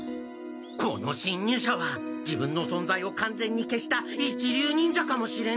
このしんにゅうしゃは自分のそんざいをかんぜんに消した一流忍者かもしれない！